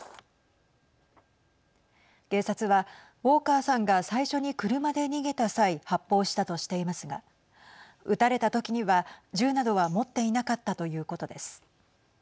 警察は、ウォーカーさんが最初に車で逃げた際発砲したとしていますが撃たれたときには銃などは持っていなかったということです。